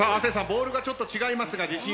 ボールがちょっと違いますが自信は？